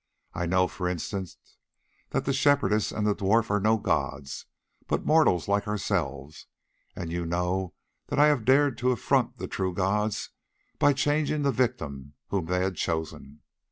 I know, for instance, that the Shepherdess and the dwarf are no gods, but mortal like ourselves; and you know that I have dared to affront the true gods by changing the victim whom they had chosen.